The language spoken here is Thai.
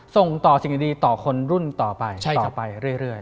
ส่งต่อสิ่งดีต่อคนรุ่นต่อไปต่อไปเรื่อย